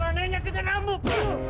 jangan nyakitin mambuk